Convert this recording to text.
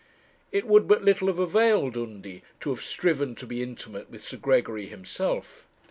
It would but little have availed Undy to have striven to be intimate with Sir Gregory himself.